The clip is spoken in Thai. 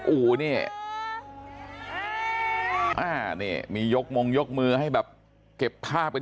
อู๋หันหน้ามาหน่อยค่ะอู๋เนี่ยมียกมงยกมือให้แบบเก็บภาพกัน